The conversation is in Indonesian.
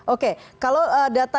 oke kalau data